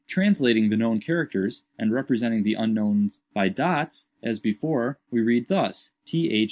"Translating the known characters, and representing the unknown by dots, as before, we read thus: th.